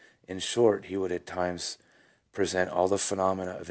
In short, he would at times present all the phenomena of 1 W.